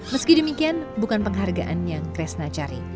meski demikian bukan penghargaan yang kresna cari